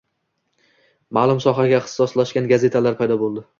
– ma’lum sohaga ixtisoslashgan gazetalar paydo bo‘ldi: